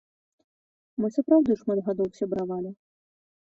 Мы сапраўды шмат гадоў сябравалі.